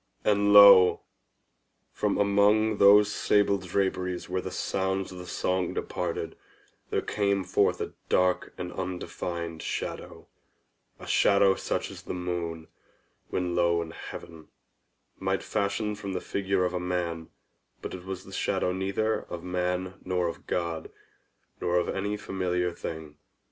And lo! from among those sable draperies where the sounds of the song departed, there came forth a dark and undefined shadow—a shadow such as the moon, when low in heaven, might fashion from the figure of a man: but it was the shadow neither of man nor of God, nor of any familiar thing.